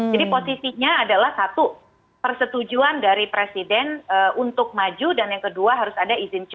jadi posisinya adalah satu persetujuan dari presiden untuk maju dan yang kedua harus ada izin cuti